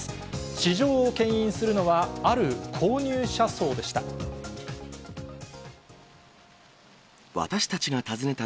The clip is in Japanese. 市場をけん引するのは、ある購入者層でした。